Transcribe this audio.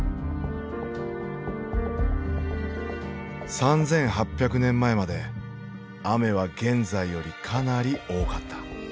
３，８００年前まで雨は現在よりかなり多かった。